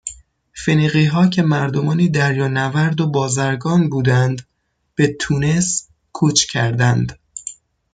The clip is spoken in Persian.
فنیقیها که مردمانی دریانورد و بازرگان بودند به تونس کوچ کردند